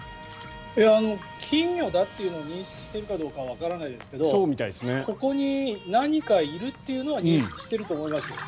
金魚だっていうのを認識しているかはわからないですけどここに何かいるというのは認識していると思いますよ。